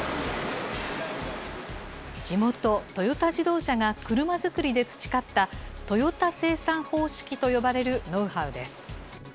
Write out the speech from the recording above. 地元、トヨタ自動車が車作りで培った、トヨタ生産方式と呼ばれるノウハウです。